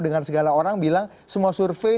dengan segala orang bilang semua survei